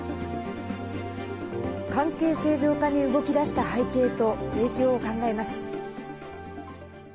関係正常化に動き出した背景と影響を考えます。